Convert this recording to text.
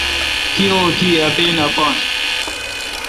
کی او کی۔ اپین اپان